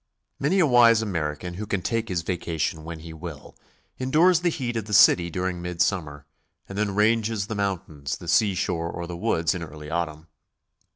Many a wise American who can take his vacation when he will, endures the heat of the city during mid summer, and then ranges the mountains, the sea shore, or the woods in early autumn.